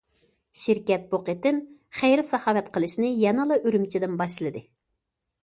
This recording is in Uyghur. شىركەت بۇ قېتىم خەير- ساخاۋەت قىلىشنى يەنىلا ئۈرۈمچىدىن باشلىدى.